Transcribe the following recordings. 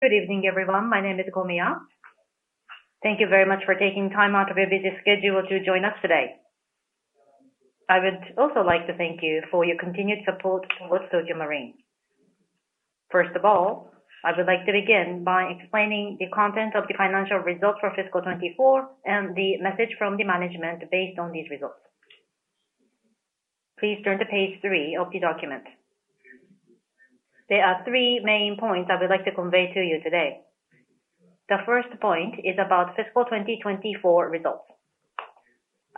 Good evening, everyone. My name is Komiya. Thank you very much for taking time out of your busy schedule to join us today. I would also like to thank you for your continued support towards Tokio Marine. First of all, I would like to begin by explaining the content of the financial results for fiscal 2024 and the message from the management based on these results. Please turn to page three of the document. There are three main points I would like to convey to you today. The first point is about fiscal 2024 results.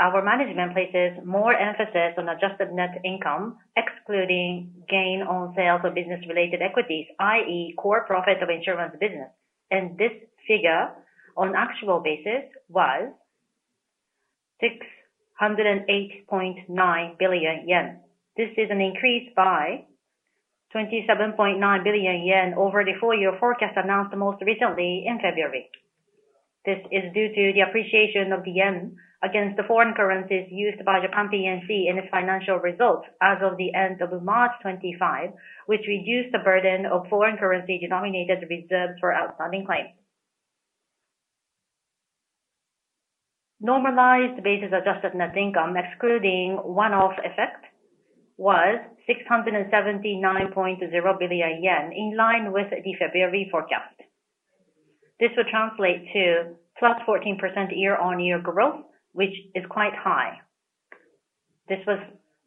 Our management places more emphasis on adjusted net income, excluding gain on sales of business-related equities, i.e., core profit of insurance business. And this figure, on actual basis, was 608.9 billion yen. This is an increase by 27.9 billion yen over the four-year forecast announced most recently in February. This is due to the appreciation of the yen against the foreign currencies used by Japan PNC in its financial results as of the end of March 2025, which reduced the burden of foreign currency-denominated reserves for outstanding claims. Normalized basis adjusted net income, excluding one-off effect, was 679.0 billion yen, in line with the February forecast. This would translate to +14% year-on-year growth, which is quite high. This was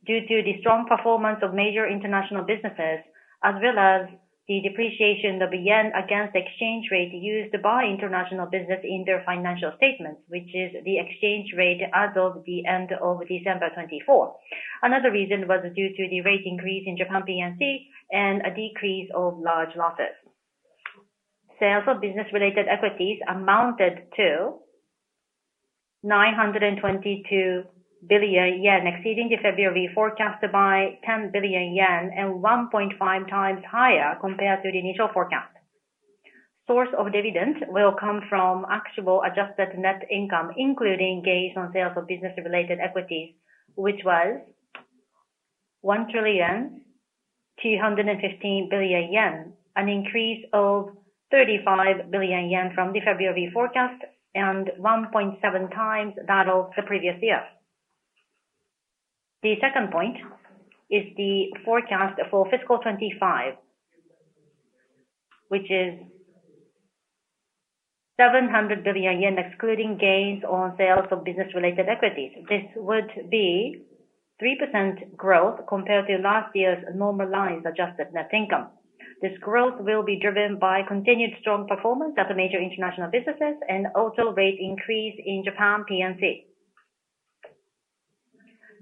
due to the strong performance of major international businesses, as well as the depreciation of the yen against the exchange rate used by international business in their financial statements, which is the exchange rate as of the end of December 2024. Another reason was due to the rate increase in Japan PNC and a decrease of large losses. Sales of business-related equities amounted to 922 billion yen, exceeding the February forecast by 10 billion yen and 1.5 times higher compared to the initial forecast. Source of dividends will come from actual adjusted net income, including gains on sales of business-related equities, which was 1 trillion 215 billion, an increase of 35 billion yen from the February forecast and 1.7 times that of the previous year. The second point is the forecast for fiscal 2025, which is 700 billion yen, excluding gains on sales of business-related equities. This would be 3% growth compared to last year's normalized adjusted net income. This growth will be driven by continued strong performance of the major international businesses and also rate increase in Japan PNC.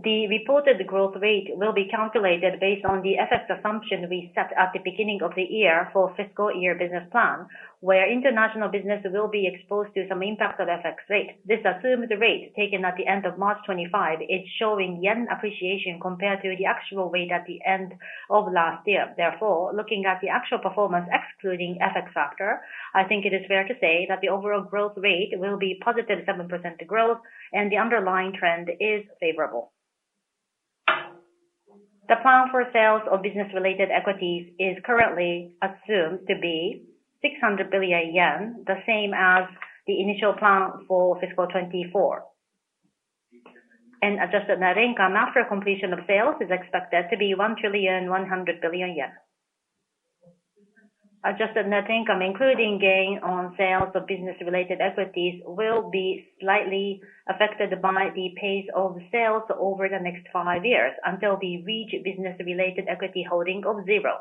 The reported growth rate will be calculated based on the FX assumption we set at the beginning of the year for fiscal year business plan, where international business will be exposed to some impact of FX rate. This assumed rate taken at the end of March 2025 is showing yen appreciation compared to the actual rate at the end of last year. Therefore, looking at the actual performance excluding FX factor, I think it is fair to say that the overall growth rate will be positive 7% growth, and the underlying trend is favorable. The plan for sales of business-related equities is currently assumed to be 600 billion yen, the same as the initial plan for fiscal 2024. Adjusted net income after completion of sales is expected to be 1.1 trillion. Adjusted net income, including gain on sales of business-related equities, will be slightly affected by the pace of sales over the next five years until we reach business-related equity holding of zero.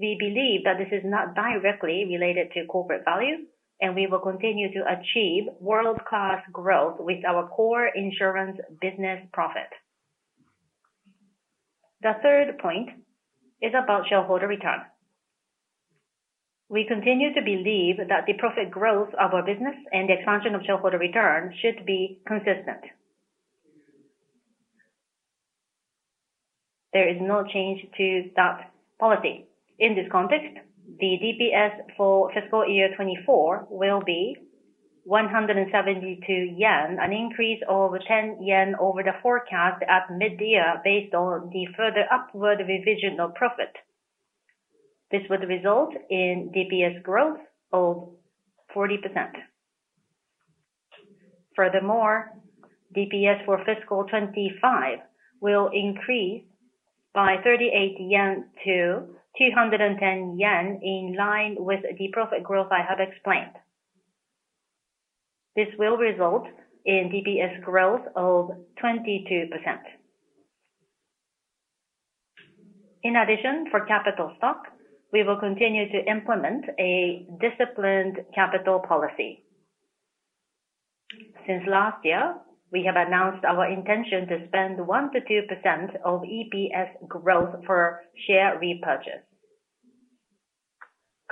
We believe that this is not directly related to corporate value, and we will continue to achieve world-class growth with our core insurance business profit. The third point is about shareholder return. We continue to believe that the profit growth of our business and the expansion of shareholder return should be consistent. There is no change to that policy. In this context, the DPS for fiscal year 2024 will be 172 yen, an increase of 10 yen over the forecast at mid-year based on the further upward revision of profit. This would result in DPS growth of 40%. Furthermore, DPS for fiscal 2025 will increase by 38 yen to 210 yen in line with the profit growth I have explained. This will result in DPS growth of 22%. In addition, for capital stock, we will continue to implement a disciplined capital policy. Since last year, we have announced our intention to spend 1-2% of EPS growth for share repurchase.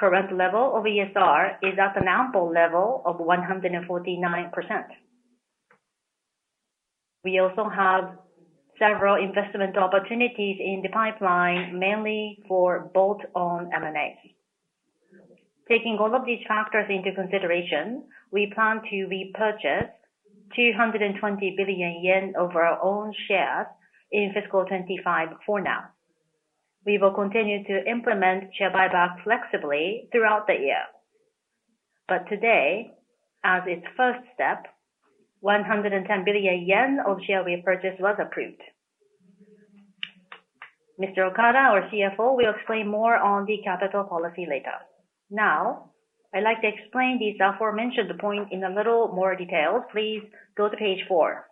Current level of ESR is at an ample level of 149%. We also have several investment opportunities in the pipeline, mainly for bolt-on M&As. Taking all of these factors into consideration, we plan to repurchase 220 billion yen of our own shares in fiscal 2025 for now. We will continue to implement share buyback flexibly throughout the year. Today, as its first step, 110 billion yen of share repurchase was approved. Mr. Okada, our CFO, will explain more on the capital policy later. Now, I'd like to explain these aforementioned points in a little more detail. Please go to page four.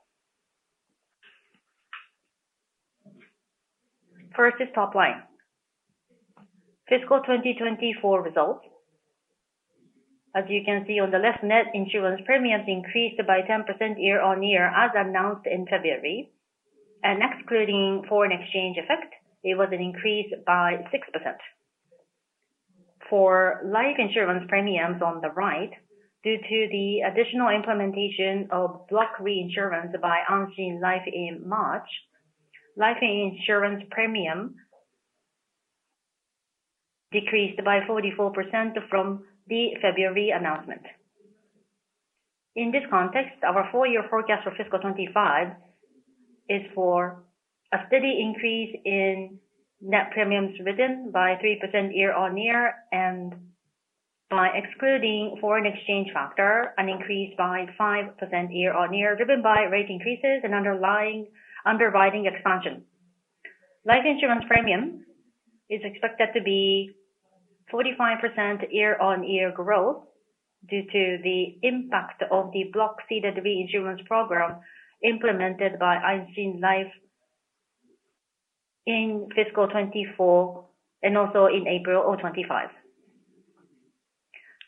First is top line. Fiscal 2024 results. As you can see on the left, net insurance premiums increased by 10% year-on-year as announced in February. Excluding foreign exchange effect, it was an increase by 6%. For life insurance premiums on the right, due to the additional implementation of block reinsurance by Anshin Life in March, life insurance premium decreased by 44% from the February announcement. In this context, our four-year forecast for fiscal 2025 is for a steady increase in net premiums driven by 3% year-on-year and by excluding foreign exchange factor, an increase by 5% year-on-year driven by rate increases and underwriting expansion. Life insurance premium is expected to be 45% year-on-year growth due to the impact of the block reinsurance program implemented by Anshin Life in fiscal 2024 and also in April of 2025.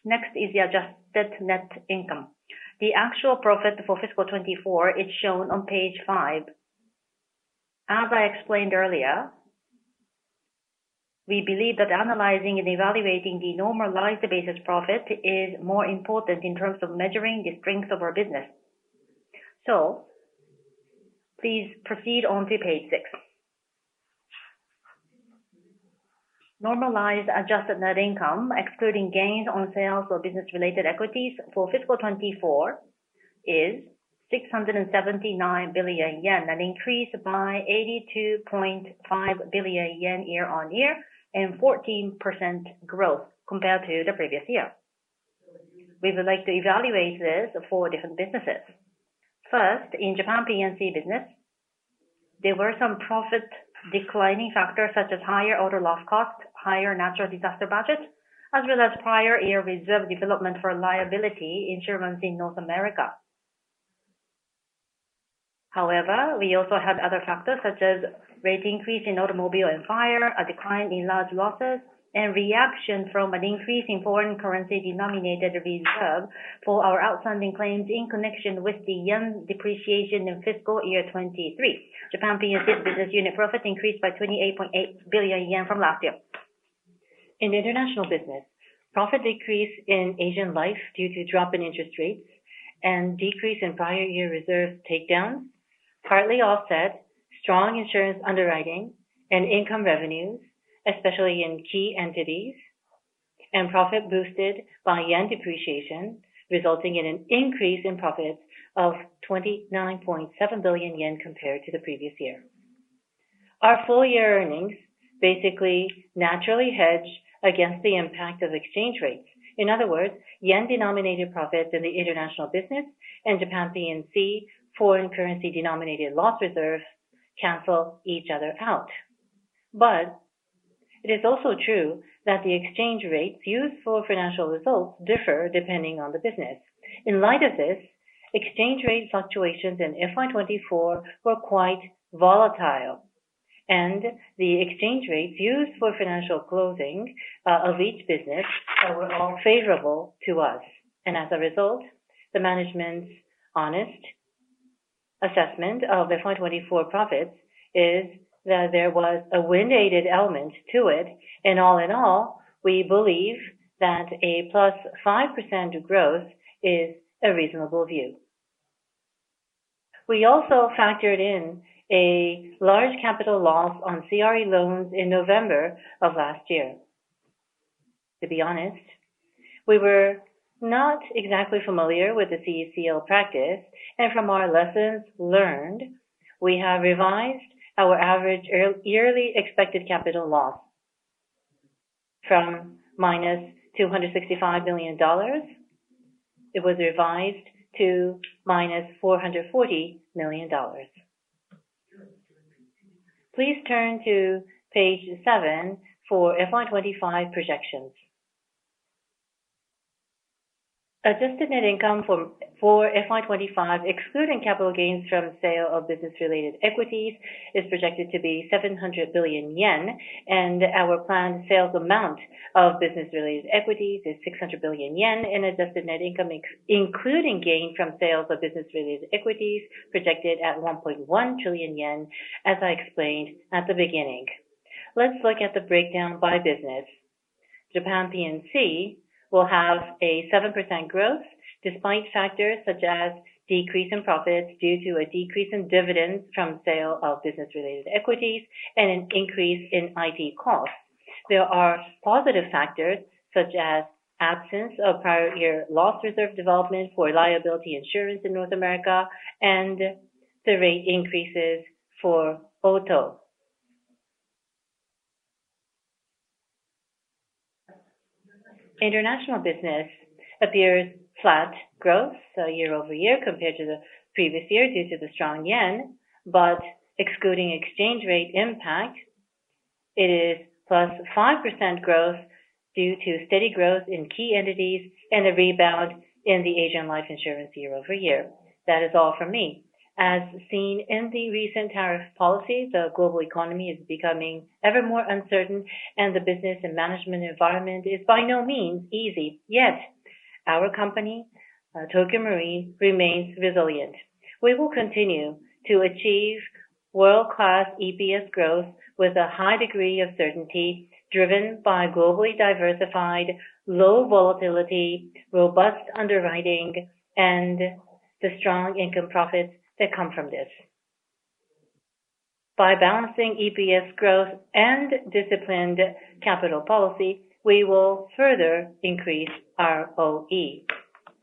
Next is the adjusted net income. The actual profit for fiscal 2024 is shown on page five. As I explained earlier, we believe that analyzing and evaluating the normalized basis profit is more important in terms of measuring the strength of our business. Please proceed on to page six. Normalized adjusted net income, excluding gains on sales of business-related equities for fiscal 2024, is 679 billion yen, an increase by 82.5 billion yen year-on-year and 14% growth compared to the previous year. We would like to evaluate this for different businesses. First, in Japan P&C business, there were some profit declining factors such as higher auto loss cost, higher natural disaster budget, as well as prior year reserve development for liability insurance in North America. However, we also had other factors such as rate increase in automobile and fire, a decline in large losses, and reaction from an increase in foreign currency-denominated reserve for our outstanding claims in connection with the yen depreciation in fiscal year 2023. Japan P&C business unit profit increased by 28.8 billion yen from last year. In international business, profit decrease in Asian life due to drop in interest rates and decrease in prior year reserve takedowns partly offset strong insurance underwriting and income revenues, especially in key entities, and profit boosted by yen depreciation resulting in an increase in profit of 29.7 billion yen compared to the previous year. Our full-year earnings basically naturally hedge against the impact of exchange rates. In other words, yen-denominated profits in the international business and Japan PNC foreign currency-denominated loss reserve cancel each other out. It is also true that the exchange rates used for financial results differ depending on the business. In light of this, exchange rate fluctuations in fiscal year 2024 were quite volatile, and the exchange rates used for financial closing of each business were all favorable to us. As a result, the management's honest assessment of fiscal year 2024 profits is that there was a wind-aided element to it. All in all, we believe that a +5% growth is a reasonable view. We also factored in a large capital loss on CRE loans in November of last year. To be honest, we were not exactly familiar with the CECL practice, and from our lessons learned, we have revised our average yearly expected capital loss from minus $265 million. It was revised to minus $440 million. Please turn to page seven for fiscal year 2025 projections. Adjusted net income for fiscal year 2025, excluding capital gains from sale of business-related equities, is projected to be 700 billion yen, and our planned sales amount of business-related equities is 600 billion yen in adjusted net income, including gain from sales of business-related equities projected at 1.1 trillion yen, as I explained at the beginning. Let's look at the breakdown by business. Japan P&C will have a 7% growth despite factors such as decrease in profits due to a decrease in dividends from sale of business-related equities and an increase in IT costs. There are positive factors such as absence of prior year loss reserve development for liability insurance in North America and the rate increases for auto. International business appears flat growth year-over-year compared to the previous year due to the strong yen, but excluding exchange rate impact, it is plus 5% growth due to steady growth in key entities and a rebound in the Asian life insurance year-over-year. That is all for me. As seen in the recent tariff policy, the global economy is becoming ever more uncertain, and the business and management environment is by no means easy yet. Our company, Tokio Marine, remains resilient. We will continue to achieve world-class EPS growth with a high degree of certainty driven by globally diversified, low volatility, robust underwriting, and the strong income profits that come from this. By balancing EPS growth and disciplined capital policy, we will further increase our ROE.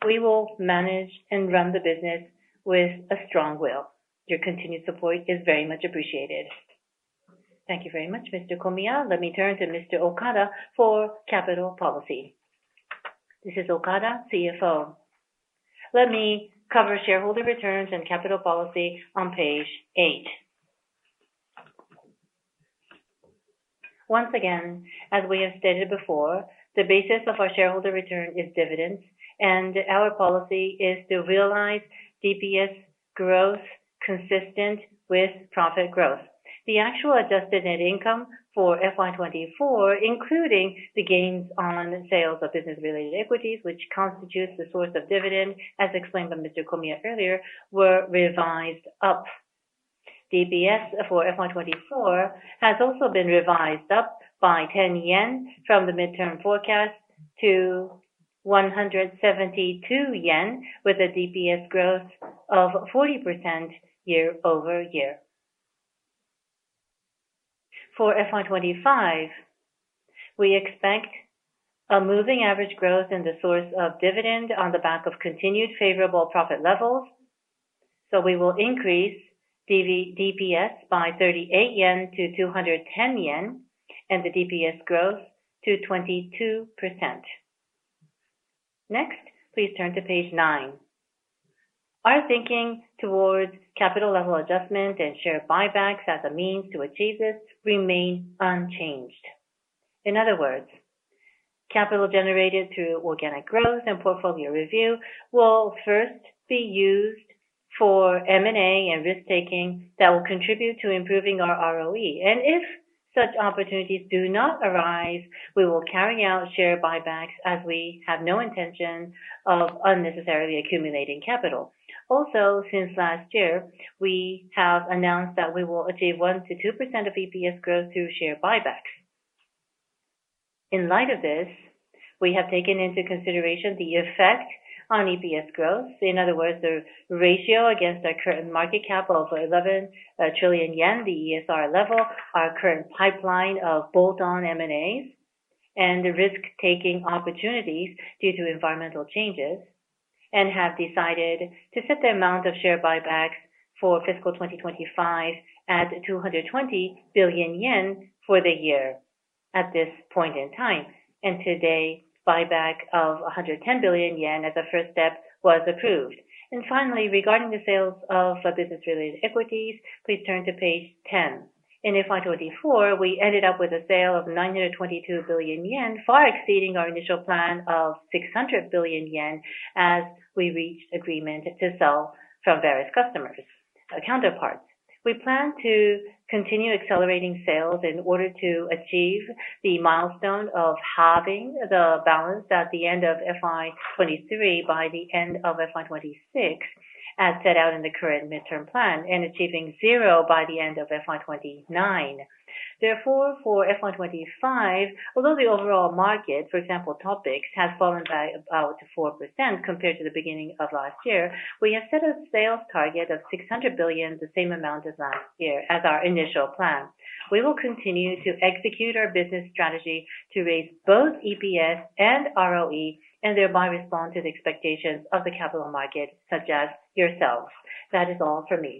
We will manage and run the business with a strong will. Your continued support is very much appreciated. Thank you very much, Mr. Komiya. Let me turn to Mr. Okada for capital policy. This is Okada, CFO. Let me cover shareholder returns and capital policy on page eight. Once again, as we have stated before, the basis of our shareholder return is dividends, and our policy is to realize DPS growth consistent with profit growth. The actual adjusted net income for fiscal year 2024, including the gains on sales of business-related equities, which constitutes the source of dividend, as explained by Mr. Komiya earlier, were revised up. DPS for fiscal year 2024 has also been revised up by 10 yen from the midterm forecast to 172 yen, with a DPS growth of 40% year-over-year. For FY 2025, we expect a moving average growth in the source of dividend on the back of continued favorable profit levels. We will increase DPS by 38 yen to 210 yen and the DPS growth to 22%. Next, please turn to page nine. Our thinking towards capital level adjustment and share buybacks as a means to achieve this remain unchanged. In other words, capital generated through organic growth and portfolio review will first be used for M&A and risk-taking that will contribute to improving our ROE. If such opportunities do not arise, we will carry out share buybacks as we have no intention of unnecessarily accumulating capital. Also, since last year, we have announced that we will achieve 1-2% of EPS growth through share buybacks. In light of this, we have taken into consideration the effect on EPS growth. In other words, the ratio against our current market cap of 11 trillion yen, the ESR level, our current pipeline of bolt-on M&As, and the risk-taking opportunities due to environmental changes, have led us to decide to set the amount of share buybacks for fiscal 2025 at 220 billion yen for the year at this point in time. Today, buyback of 110 billion yen as a first step was approved. Finally, regarding the sales of business-related equities, please turn to page 10. In fiscal year 2024, we ended up with a sale of 922 billion yen, far exceeding our initial plan of 600 billion yen as we reached agreement to sell from various customers, counterparts. We plan to continue accelerating sales in order to achieve the milestone of halving the balance at the end of fiscal year 2023 by the end of fiscal year 2026, as set out in the current midterm plan, and achieving zero by the end of fiscal year 2029. Therefore, for fiscal year 2025, although the overall market, for example, TOPIX, has fallen by about 4% compared to the beginning of last year, we have set a sales target of 600 billion, the same amount as last year, as our initial plan. We will continue to execute our business strategy to raise both EPS and ROE and thereby respond to the expectations of the capital market, such as yourselves. That is all for me.